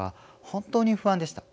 本当に不安でした。